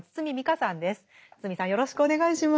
堤さんよろしくお願いします。